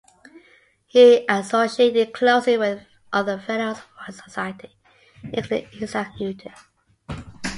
He associated closely with other Fellows of the Royal Society, including Isaac Newton.